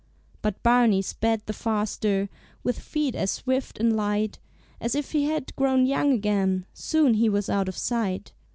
But Barney sped the faster, With feet as swift and light, As if he had grown young again; Soon he was out of sight.